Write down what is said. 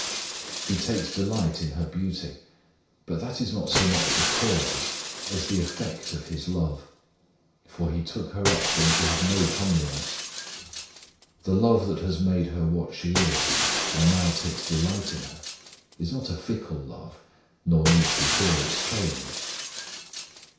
He takes delight in her beauty, but that is not so much the cause as the effect of His love; for He took her up when she had no comeliness. The love that has made her what she is, and now takes delight in her, is not a fickle love, nor need she fear its change.